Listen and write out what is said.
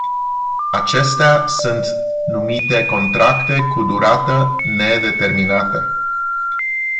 Acestea sunt numite contracte cu durată nedeterminată.